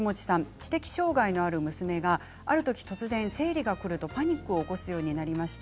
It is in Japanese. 知的障害のある娘があるとき突然生理がくるとパニックを起こすようになりました。